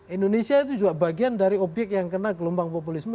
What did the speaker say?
indonesia itu juga bagian dari obyek yang kena gelombang populisme